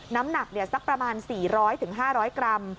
น้ำหนักสักประมาณ๔๐๐๕๐๐กรัม